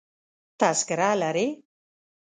تذکره لرې؟